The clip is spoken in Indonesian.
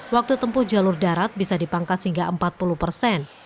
waktu tempuh jalur darat bisa dipangkas hingga empat puluh persen